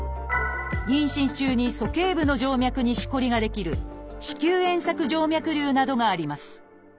妊娠中に鼠径部の静脈にしこりが出来る「子宮円索静脈瘤」などがあります